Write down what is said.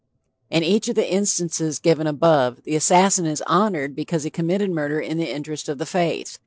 In each of the instances given above, the assassin is honored because he committed murder in the interest of the faith.